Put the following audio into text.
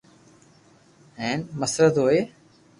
۽ مسرت هئي